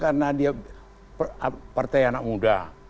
karena dia partai anak muda